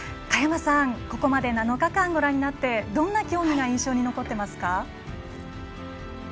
ここまで７日間ご覧になってどんな競技が印象に残っていますか？